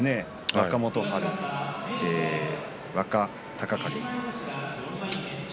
若元春、若隆景。